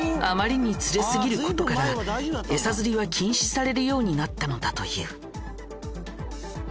あまりに釣れすぎることから餌釣りは禁止されるようになったのだという。